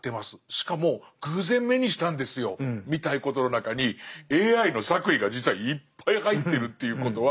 しかも偶然目にしたんですよみたいなことの中にＡＩの作為が実はいっぱい入ってるっていうことは。